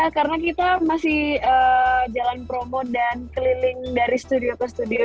karena kita masih jalan promo dan keliling dari studio ke studio